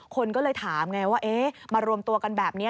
คนก็เลยถามไงว่ามารวมตัวกันแบบนี้